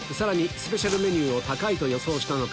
スペシャルメニューを高いと予想したのか